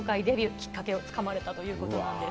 きっかけをつかまれたということです。